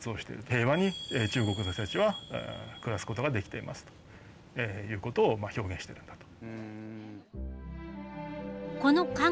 平和に中国の人たちは暮らすことができていますということを表現してるんだと。